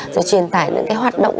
rồi truyền tải những cái hoạt động